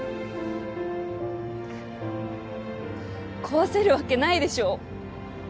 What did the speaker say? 壊せるわけないでしょ